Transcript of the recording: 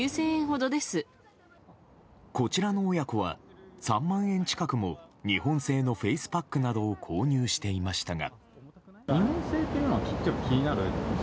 こちらの親子は３万円近くも日本製のフェイスパックなどを購入していましたが。